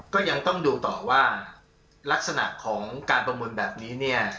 ก็ยังต้องดูต่อว่ารักษณะของการประมูลแบบนี้